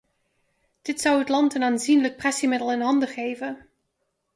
Dit zou het land een aanzienlijk pressiemiddel in handen geven.